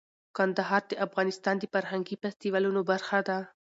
کندهار د افغانستان د فرهنګي فستیوالونو برخه ده.